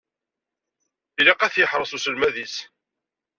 Ilaq ad t-yeḥreṣ uselmad-is.